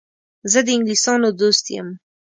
زه د انګلیسیانو دوست یم.